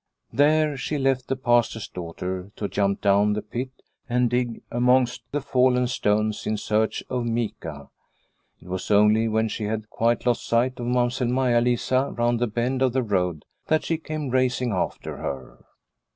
There she left the Pastor's daughter, to jump down the pit and dig amongst the fallen stones in search of mica. It was only when she had quite lost sight of Mamsell Maia Lisa round the bend of the road that she came racing after her.